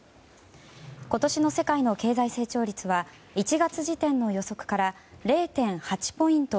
今年の世界の経済成長率は１月時点の予測から０．８ポイント